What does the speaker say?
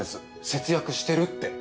節約してるって。